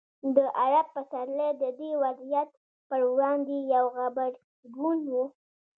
د عرب پسرلی د دې وضعیت پر وړاندې یو غبرګون و.